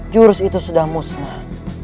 jurus itu sudah musnah